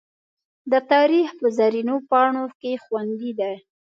د تاریخ په زرینو پاڼو کې خوندي دي.